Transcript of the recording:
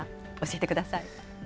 教えてください。